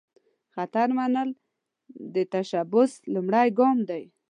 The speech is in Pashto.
خطر منل، د تشبث لومړۍ ګام دی.